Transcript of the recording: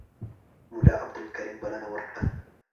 ملا عبدالکریم بلنه ورکړه.